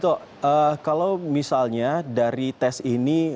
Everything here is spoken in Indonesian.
dok kalau misalnya dari tes ini